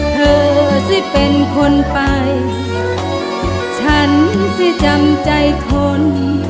เธอสิเป็นคนไปฉันสิจำใจทน